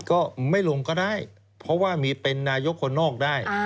ก็ไม่ลงก็ได้เพราะว่ามีเป็นนายกคนนอกได้